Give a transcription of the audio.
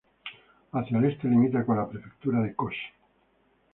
Hacia el este limita con la Prefectura de Kōchi.